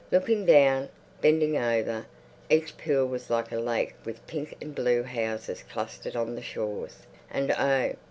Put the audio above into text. Looking down, bending over, each pool was like a lake with pink and blue houses clustered on the shores; and oh!